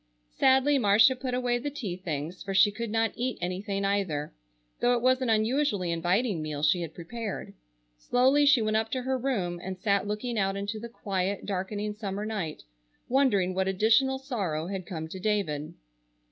Sadly Marcia put away the tea things, for she could not eat anything either, though it was an unusually inviting meal she had prepared. Slowly she went up to her room and sat looking out into the quiet, darkening summer night, wondering what additional sorrow had come to David.